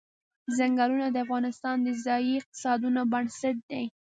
ځنګلونه د افغانستان د ځایي اقتصادونو بنسټ دی.